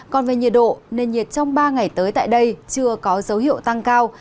còn về nhiệt độ nền nhiệt trong ba ngày tới tại đây chưa có dấu hiệu tăng cao